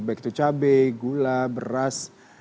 baik itu cabai gula beras